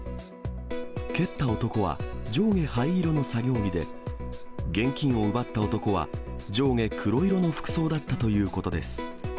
蹴った男は上下灰色の作業着で、現金を奪った男は、上下黒色の服装だったということです。